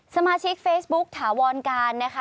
สมาชิกเฟซบุ๊กถาวรการนะคะ